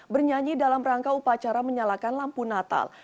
bernyanyi dalam rangka upacara menyalakan lampu natal